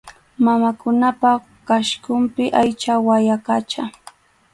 Mamakunapa qhasqunpi aycha wayaqacha.